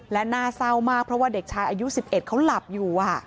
และน่าเศร้ามากเพราะว่าเด็กชายอายุ๑๑เขาหลับอยู่